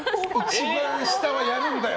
一番下はやるんだよ。